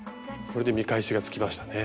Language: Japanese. これで見返しがつきましたね。